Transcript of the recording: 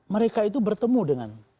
mereka itu bertemu dengan